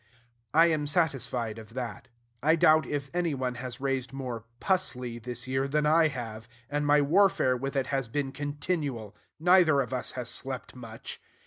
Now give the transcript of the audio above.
I am satisfied of that. I doubt if any one has raised more "pusley" this year than I have; and my warfare with it has been continual. Neither of us has slept much.